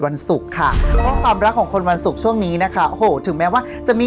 วันสุขค่ะความรักของคนวันสุขช่วงนี้นะคะถึงแม้ว่าจะมี